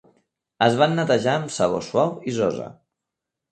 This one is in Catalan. Es van netejar amb sabó suau i sosa.